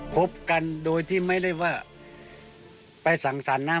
พบกันโดยที่ไม่ได้ว่าไปสั่งสรรคนะ